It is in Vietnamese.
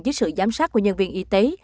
dưới sự giám sát của nhân viên y tế